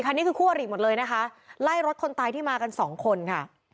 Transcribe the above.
นี่คือคู่อริหมดเลยนะคะไล่รถคนตายที่มากันสองคนค่ะ